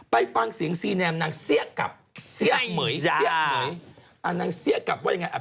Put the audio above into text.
ไปฟังเสียงซีแนมนางเสียกกับเสียกเหม๋ยอันนั้นเสียกกับว่าอย่างไร